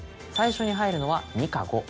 最初に入るのは２か５。